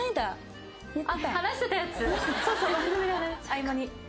合間に。